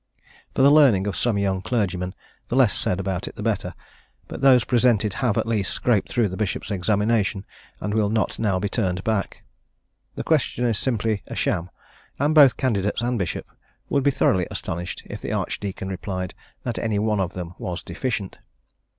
For the learning of some young clergymen, the less said about it the better, but those presented have at least scraped through the bishop's examination, and will not now be turned back. The question is simply a sham, and both candidates and bishop would be thoroughly astonished if the archdeacon replied that any one of them was deficient.